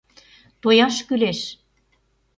Тояш кӱлеш!..